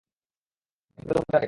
গাড়িগুলো মূল টার্গেট।